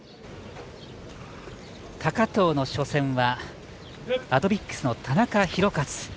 高藤の初戦はアドヴィックスの田中大勝。